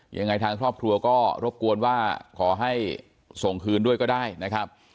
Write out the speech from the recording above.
ยังไงทางครอบครัวก็รบกวนว่าขอให้ส่งคืนด้วยก็ได้นะครับ